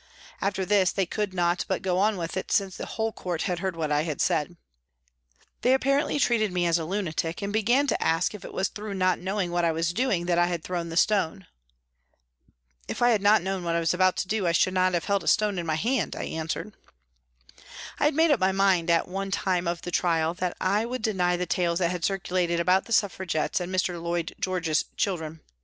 After this, they could not but go on with it, since the whole court had heard what I had said. They apparently treated me as a lunatic, and began to ask if it was through not knowing what I was doing that I had thrown a stone ?" If I had not known what I was about to do, I should not have held a stone in my hand," I answered. I had made up my mind, at one time of the trial, that I would deny the tales that had circulated about the Suffragettes and Mr. Lloyd George's children.